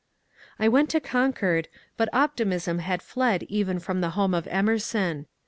I went to Concord, but optimism had fled even from the home of Emerson.